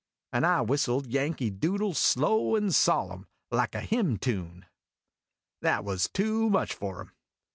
" And I whistled "Yankee Doodle" slow and solemn, like a hymn tune. That was too much for him.